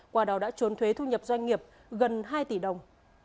qua đó đã trốn thuế thu nhập doanh nghiệp gần hai tỷ đồng